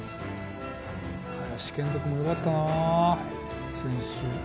林遣都君もよかったな、先週。